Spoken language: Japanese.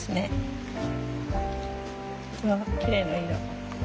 うわきれいな色。